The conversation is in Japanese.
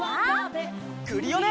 クリオネ！